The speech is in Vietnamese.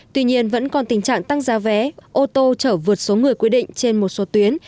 tuy nhiên vẫn còn tình trạng tăng giá vé ô tô chở vượt số người quy định trên một số tuyến